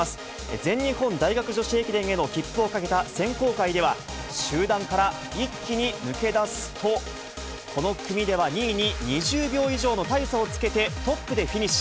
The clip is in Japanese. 全日本大学女子駅伝への切符をかけた選考会では、集団から一気に抜け出すと、この組では２位に２０秒以上の大差をつけてトップでフィニッシュ。